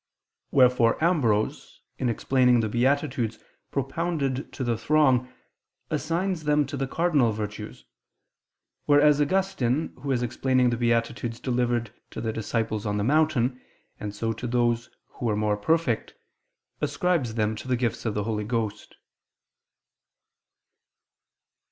Wherefore Ambrose, in explaining the beatitudes propounded to the throng, assigns them to the cardinal virtues, whereas Augustine, who is explaining the beatitudes delivered to the disciples on the mountain, and so to those who were more perfect, ascribes them to the gifts of the Holy Ghost.